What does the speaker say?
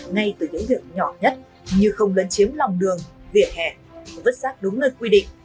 ngay từ những việc nhỏ nhất như không lấn chiếm lòng đường vỉa hè vứt sát đúng nơi quy định